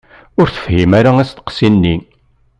Ur tefhim ara asteqsi-nni.